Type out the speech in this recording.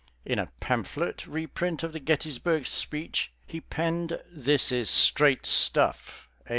In a pamphlet reprint of the Gettysburg Speech he penned "This is straight stuff, A.